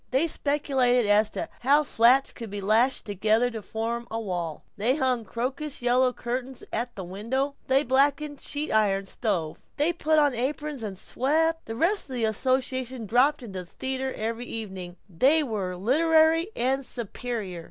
They speculated as to how flats could be lashed together to form a wall; they hung crocus yellow curtains at the windows; they blacked the sheet iron stove; they put on aprons and swept. The rest of the association dropped into the theater every evening, and were literary and superior.